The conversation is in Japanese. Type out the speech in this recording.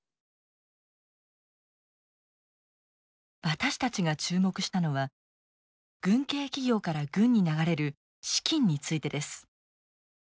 私たちが注目したのは軍系企業から軍に流れる資金についてです。